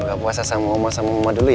buka puasa sama oma sama oma dulu ya